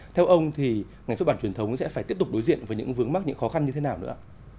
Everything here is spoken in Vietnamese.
theo ông thì ngành xuất bản truyền thống sẽ phải tiếp tục đối diện với những vướng mắc những khó khăn như thế nào nữa